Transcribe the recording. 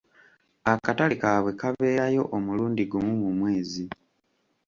Akatale kaabwe kabeerayo omulundi gumu mu mwezi.